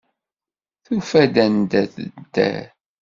Tufa-d anda ara tedder.